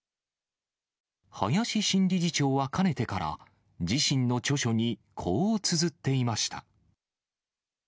林新理事長はかねてから、自身の著書に、こうつづっていました。